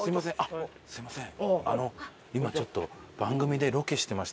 すみません。